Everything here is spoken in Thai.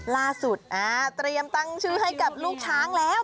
เตรียมตั้งชื่อให้กับลูกช้างแล้ว